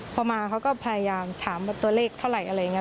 พอมาเขาก็พยายามถามว่าตัวเลขเท่าไหร่อะไรอย่างนี้